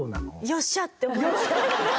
「よっしゃ！」って思います。